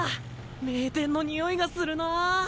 名店のにおいがするなぁ。